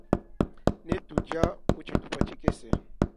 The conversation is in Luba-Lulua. Ne tudia mutshituha tshikese.